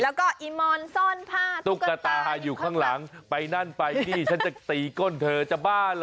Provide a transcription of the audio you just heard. แล้วก็อีมอนซ่อนผ้าตุ๊กตาอยู่ข้างหลังไปนั่นไปนี่ฉันจะตีก้นเธอจะบ้าเหรอ